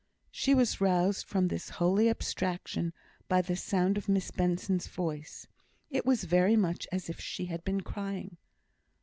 She was roused from this holy abstraction by the sound of Miss Benson's voice. It was very much as if she had been crying.